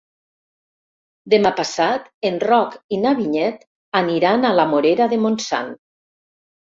Demà passat en Roc i na Vinyet aniran a la Morera de Montsant.